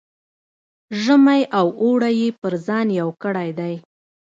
ژمی او اوړی یې پر ځان یو کړی دی.